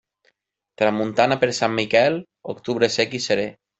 Tramuntana per Sant Miquel, octubre sec i seré.